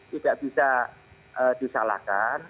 tidak bisa disalahkan